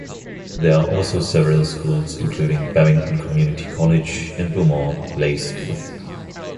There are also several schools including Babington Community College and Beaumont Leys School.